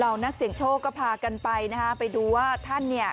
นักเสียงโชคก็พากันไปนะฮะไปดูว่าท่านเนี่ย